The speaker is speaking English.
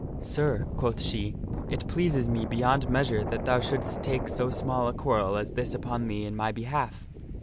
" Sir/* quoth she, " it pleases me beyond measure that thou shouldst take so small a quarrel as this upon thee in my behalf.